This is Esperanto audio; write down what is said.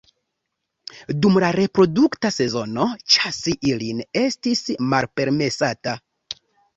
Dum la reprodukta sezono ĉasi ilin estis malpermesata.